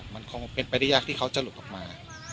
มันเป็นไปได้ยากก็เอามา